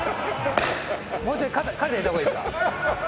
もうちょい肩入れた方がいいですか？